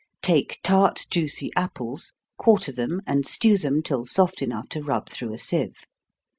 _ Take tart juicy apples quarter them, and stew them till soft enough to rub through a sieve.